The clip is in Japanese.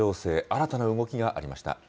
新たな動きがありました。